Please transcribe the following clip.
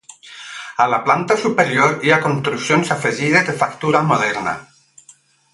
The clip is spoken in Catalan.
A la planta superior hi ha construccions afegides de factura moderna.